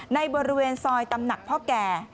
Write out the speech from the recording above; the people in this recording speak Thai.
ในบริเวณซอยตำหนักพ่อแก่